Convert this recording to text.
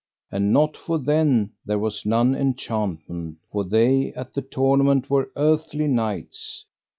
And not for then there was none enchantment, for they at the tournament were earthly knights.